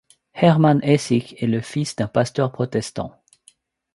Hermann Essig est le fils d'un pasteur protestant.